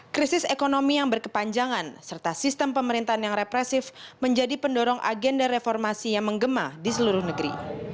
krisis ekonomi yang berkepanjangan serta sistem pemerintahan yang represif menjadi pendorong agenda reformasi yang menggema di seluruh negeri